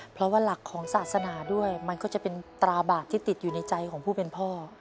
เพราะว่าหลักของศาสนาด้วยมันก็จะเป็นตราบาปที่ติดอยู่ในใจของผู้เป็นพ่อ